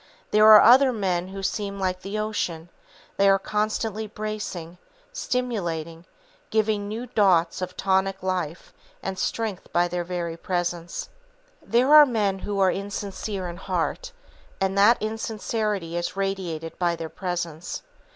There are other men who seem like the ocean; they are constantly bracing, stimulating, giving new draughts of tonic life and strength by their very presence. There are men who are insincere in heart, and that insincerity is radiated by their presence.